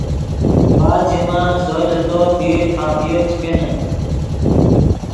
بعد ژیے من زو لے تو دیر قافیو چے کینیم